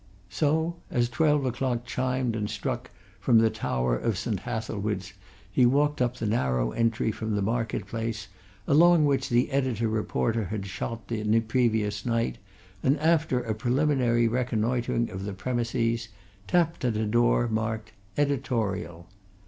So, as twelve o'clock chimed and struck from the tower of St. Hathelswide, he walked up the narrow entry from the market place, along which the editor reporter had shot the previous night, and, after a preliminary reconnoitring of the premises, tapped at a door marked "Editorial."